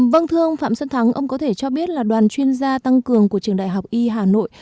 vâng thưa ông phạm xuân thắng ông có thể cho biết là đoàn chuyên gia tăng cường của trường đại học y hà nội